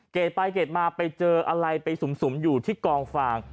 ไปเกรดมาไปเจออะไรไปสุ่มอยู่ที่กองฟาง